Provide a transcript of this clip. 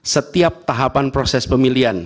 setiap tahapan proses pemilihan